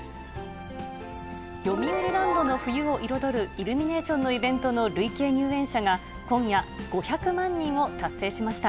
よみうりランドの冬を彩るイルミネーションのイベントの累計入園者が、今夜、５００万人を達成しました。